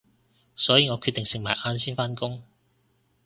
所以我決定食埋晏先返工